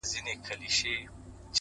o ځاى جوړاوه ـ